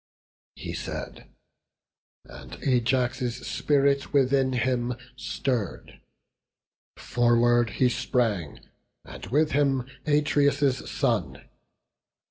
He said, and Ajax' spirit within him stirr'd; Forward he sprang, and with him Atreus' son.